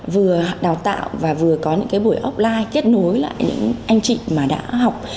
vừa đào tạo và vừa có những cái buổi offline kết nối lại những anh chị mà đã học